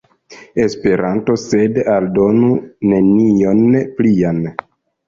Esperanto, sed aldonu nenion plian.